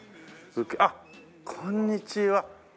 あっこんにちは。